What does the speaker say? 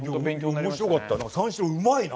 面白かったな。